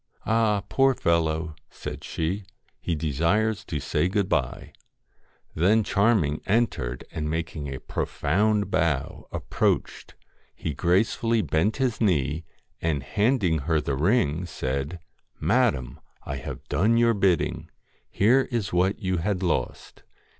'Ah! poor fellow,' said she; 'he desires to say Then Charming entered, and making a profound bow, approached : he gracefully bent his knee, and handing her the ring, said ' Madam ! I have done your bidding. Here is what you had lost.